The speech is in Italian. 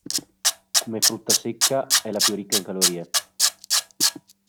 Come frutta secca, è la più ricca in calorie.